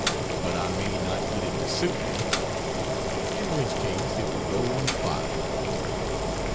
But I may not get it to suit me, in which case it will go in the fire.